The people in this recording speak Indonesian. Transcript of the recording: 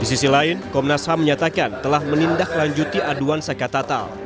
di sisi lain komnas ham menyatakan telah menindaklanjuti aduan sekat tatal